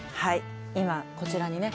今こちらにね。